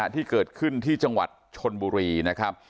ที่เกิดขึ้นที่จังหวัดชนบุรีนะครับ